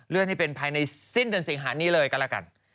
ให้เป็นภายในสิ้นเดือนสิงหานี้เลยก็แล้วกัน